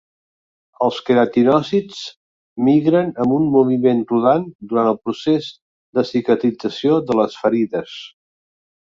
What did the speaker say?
Els queratinòcits migren amb un moviment rodant durant el procés de cicatrització de les ferides.